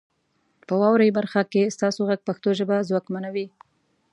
په واورئ برخه کې ستاسو غږ پښتو ژبه ځواکمنوي.